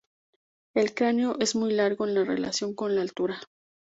El cráneo es muy largo en relación con la altura.